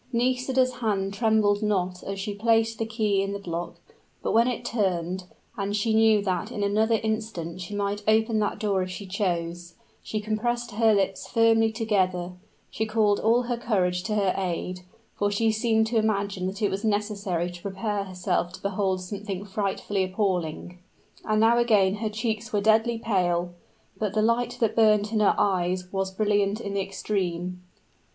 Nisida's hand trembled not as she placed the key in the lock; but when it turned, and she knew that in another instant she might open that door if she chose, she compressed her lips firmly together she called all her courage to her aid for she seemed to imagine that it was necessary to prepare herself to behold something frightfully appalling. And now again her cheeks were deadly pale; but the light that burned in her eyes was brilliant in the extreme.